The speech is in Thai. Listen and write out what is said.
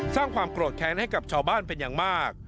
สร้างความโกรธแค้นให้กับชาวบ้านเป็นอย่างมาก